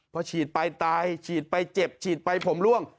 พอฉีดไปตายฉีดไปเจ็บฉีดไปผมล่วง